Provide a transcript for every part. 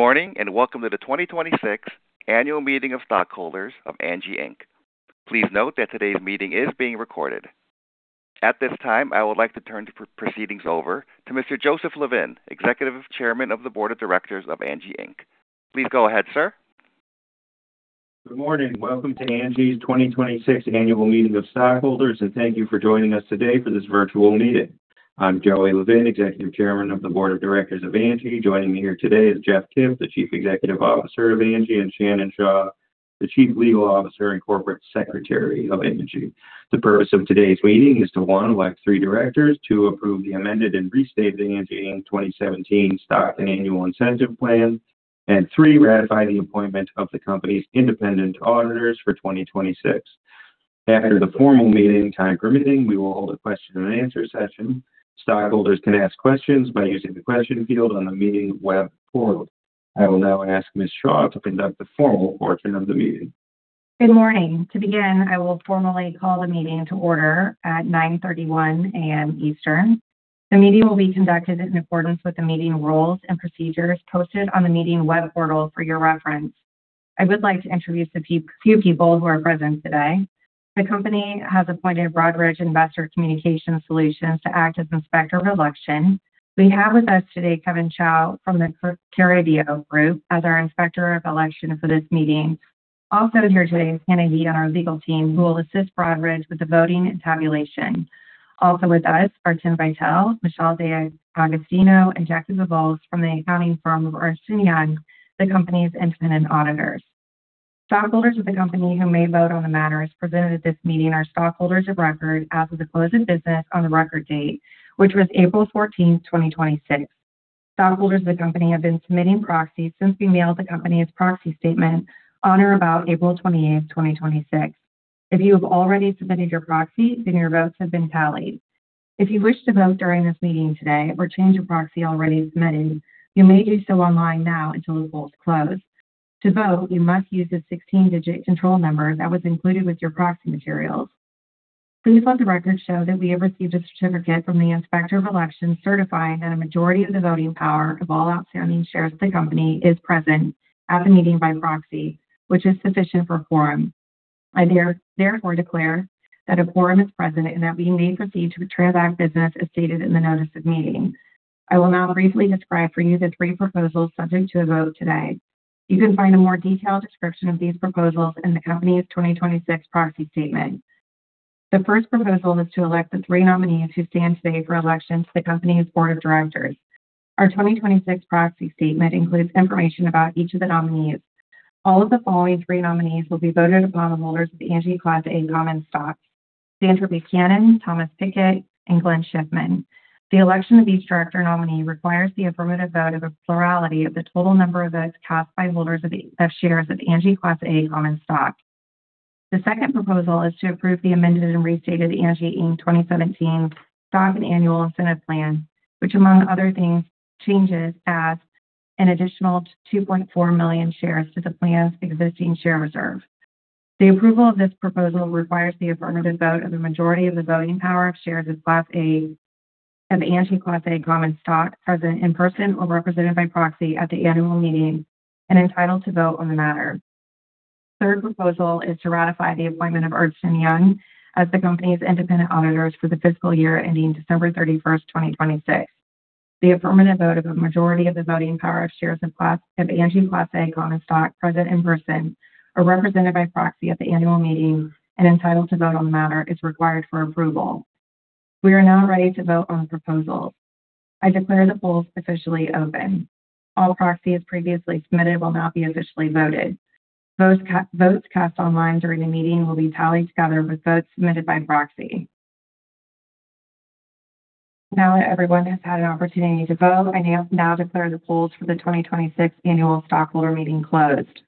Morning. Welcome to the 2026 annual meeting of stockholders of Angi Inc. Please note that today's meeting is being recorded. At this time, I would like to turn the proceedings over to Mr. Joseph Levin, Executive Chairman of the Board of Directors of Angi Inc. Please go ahead, sir. Good morning. Welcome to Angi's 2026 annual meeting of stockholders. Thank you for joining us today for this virtual meeting. I'm Joey Levin, Executive Chairman of the Board of Directors of Angi. Joining me here today is Jeff Kip, the Chief Executive Officer of Angi, and Shannon Shaw, the Chief Legal Officer and Corporate Secretary of Angi. The purpose of today's meeting is to, one, elect three directors, two, approve the Amended and Restated Angi Inc. 2017 Stock and Annual Incentive Plan, three, ratify the appointment of the company's independent auditors for 2026. After the formal meeting, time permitting, we will hold a question and answer session. Stockholders can ask questions by using the question field on the meeting web portal. I will now ask Ms. Shaw to conduct the formal portion of the meeting. Good morning. To begin, I will formally call the meeting to order at 9:31 A.M. Eastern. The meeting will be conducted in accordance with the meeting rules and procedures posted on the meeting web portal for your reference. I would like to introduce a few people who are present today. The company has appointed Broadridge Investor Communication Solutions to act as Inspector of Election. We have with us today Kevin Chau from The Carideo Group as our Inspector of Election for this meeting. Also here today is Hannah Dion, our legal team, who will assist Broadridge with the voting and tabulation. Also with us are Tim Vitale, Michelle D'Agostino, and Jackie Devos from the accounting firm of Ernst & Young, the company's independent auditors. Stockholders of the company who may vote on the matters presented at this meeting are stockholders of record as of the close of business on the record date, which was April 14th, 2026. Stockholders of the company have been submitting proxies since we mailed the company its proxy statement on or about April 28th, 2026. If you have already submitted your proxy, your votes have been tallied. If you wish to vote during this meeting today or change a proxy already submitted, you may do so online now until the polls close. To vote, you must use the 16-digit control number that was included with your proxy materials. Please let the record show that we have received a certificate from the Inspector of Election certifying that a majority of the voting power of all outstanding shares of the company is present at the meeting by proxy, which is sufficient for a quorum. I therefore declare that a quorum is present and that we may proceed to transact business as stated in the notice of meeting. I will now briefly describe for you the three proposals subject to a vote today. You can find a more detailed description of these proposals in the company's 2026 proxy statement. The first proposal is to elect the three nominees who stand today for election to the company's board of directors. Our 2026 proxy statement includes information about each of the nominees. All of the following three nominees will be voted upon the holders of the Angi Class A common stock. Sandra Buchanan, Thomas Pickett, and Glenn Schiffman. The election of each director nominee requires the affirmative vote of a plurality of the total number of votes cast by holders of shares of Angi Class A common stock. The second proposal is to approve the Amended and Restated Angi Inc. 2017 Stock and Annual Incentive Plan, which, among other things, adds an additional 2.4 million shares to the plan's existing share reserve. The approval of this proposal requires the affirmative vote of a majority of the voting power of shares of Angi Class A common stock present in person or represented by proxy at the annual meeting and entitled to vote on the matter. The third proposal is to ratify the appointment of Ernst & Young as the company's independent auditors for the fiscal year ending December 31st, 2026. The affirmative vote of a majority of the voting power of shares of Angi Class A common stock present in person or represented by proxy at the annual meeting and entitled to vote on the matter is required for approval. We are now ready to vote on proposals. I declare the polls officially open. All proxies previously submitted will now be officially voted. Votes cast online during the meeting will be tallied together with votes submitted by proxy. Now that everyone has had an opportunity to vote, I now declare the polls for the 2026 annual stockholder meeting closed.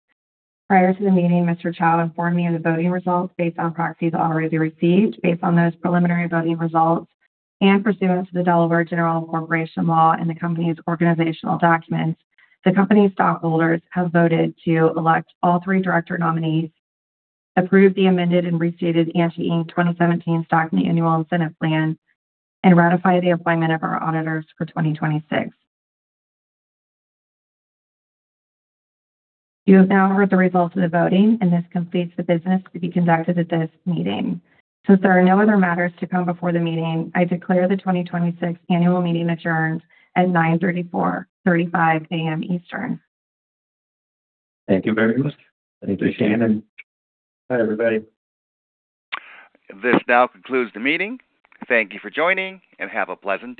Prior to the meeting, Mr. Chau informed me of the voting results based on proxies already received. Based on those preliminary voting results and pursuant to the Delaware General Corporation Law and the company's organizational documents, the company stockholders have voted to elect all three director nominees, approve the Amended and Restated Angi Inc. 2017 Stock and Annual Incentive Plan, and ratify the appointment of our auditors for 2026. You have now heard the results of the voting, and this completes the business to be conducted at this meeting. Since there are no other matters to come before the meeting, I declare the 2026 annual meeting adjourned at 9:35 A.M. Eastern. Thank you very much. Thank you, Shannon. Bye, everybody. This now concludes the meeting. Thank you for joining, and have a pleasant day.